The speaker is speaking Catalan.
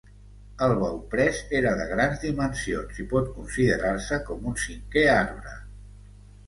El bauprès era de grans dimensions i pot considerar-se com un cinquè arbre.